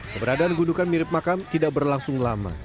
keberadaan gundukan mirip makam tidak berlangsung lama